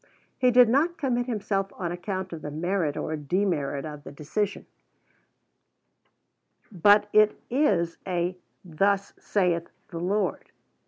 He did not commit himself on account of the merit or demerit of the decision, but it is a "Thus saith the Lord."